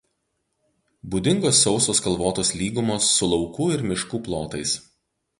Būdingos sausos kalvotos lygumos su laukų ir miškų plotais.